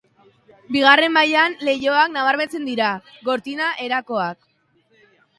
Bigarren mailan, leihoak nabarmentzen dira, gortina erakoak.